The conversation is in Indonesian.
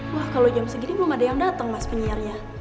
wah kalau jam segini belum ada yang datang mas penyiarnya